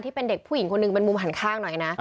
ที่เป็นเด็กผู้หญิงคนหนึ่งมันมุมหันข้างหน่อยนะ